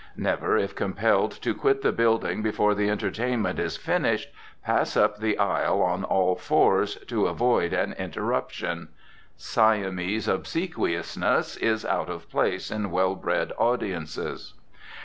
Never, if compelled to quit the building before the entertainment is finished, pass up the aisle on all fours, to avoid an interruption. Siamese obsequiousness is out of place in well bred audiences.